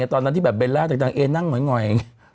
ตอนนั้นที่แบบเบลล่าดังเอ๊นั่งเหง่อยอย่างนี้